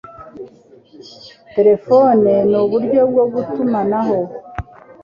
Terefone nuburyo bwo gutumanaho.